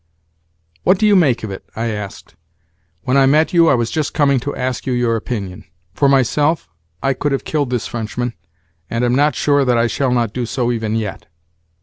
"What do you make of it?" I asked. "When I met you I was just coming to ask you your opinion. For myself, I could have killed this Frenchman, and am not sure that I shall not do so even yet."